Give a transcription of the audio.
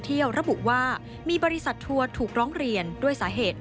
ทัวร์ถูกร้องเรียนด้วยสาเหตุ